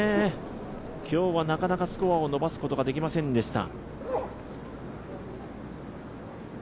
今日は、なかなかスコアを伸ばすことができませんでした。